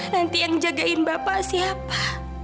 nanti yang jagain bapak siapa